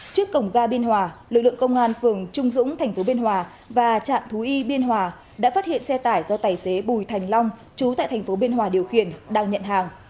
trước cổng ga biên hòa lực lượng công an phường trung dũng tp biên hòa và trạm thú y biên hòa đã phát hiện xe tải do tài xế bùi thành long chú tại thành phố biên hòa điều khiển đang nhận hàng